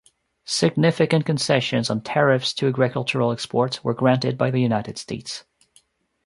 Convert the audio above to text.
Significant concessions on tariffs to agricultural exports were granted by the United States.